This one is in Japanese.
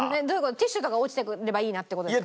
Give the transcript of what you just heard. ティッシュとか落ちていればいいなっていう事ですか？